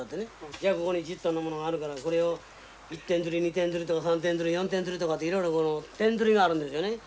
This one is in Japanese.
じゃあここに１０トンのものがあるからこれを１点づり２点づりとか３点づり４点づりとかっていろいろこの点づりがあるんですよね。